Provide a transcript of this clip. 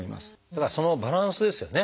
だからそのバランスですよね。